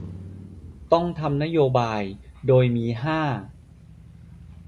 ต้องทำนโยบาย โดยมี ห้า